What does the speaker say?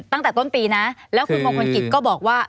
ตั้งแต่ต้นปีนะแล้วคุณมงคลกิจก็บอกว่า